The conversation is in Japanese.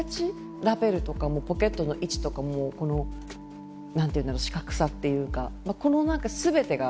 ラペルとかもポケットの位置とかもこの何て言うんだろう四角さっていうか